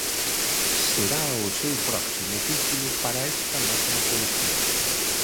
Será o seu próximo título para esta mesma colección.